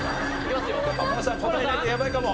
浜野さん答えないとやばいかも。